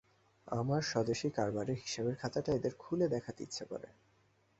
আমার স্বদেশী কারবারের হিসাবের খাতাটা এদের খুলে দেখাতে ইচ্ছা করে।